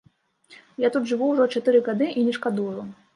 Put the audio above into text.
Я тут жыву ўжо чатыры гады і не шкадую.